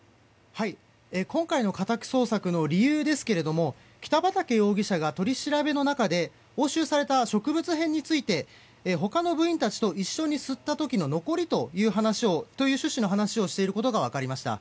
今回の家宅捜索の理由ですが北畠容疑者が取り調べの中で押収された植物片について他の部員たちと一緒に吸った時の残りという趣旨の話をしていることが分かりました。